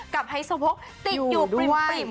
ไฮโซโพกติดอยู่ปริ่ม